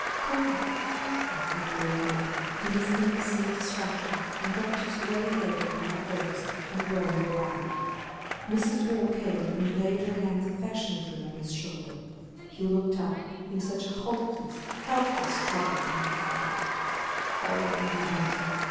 gone!" echoed the old man, in his imbecile distraction, and dropped his gray head upon the corpse, and groaned aloud. Mrs. Waugh came and laid her hand affectionately on his shoulder. He looked up in such hopeless, helpless trouble, and cried out: "Oh, Henrietta!